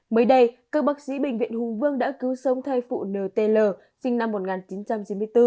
mới đây các bác sĩ bệnh viện hùng vương đã cứu sống thai phụ nt sinh năm một nghìn chín trăm chín mươi bốn